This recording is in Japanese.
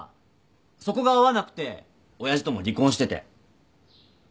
そこが合わなくて親父とも離婚してて。